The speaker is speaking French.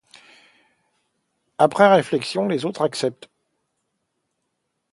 Après réflexion, les autres acceptent.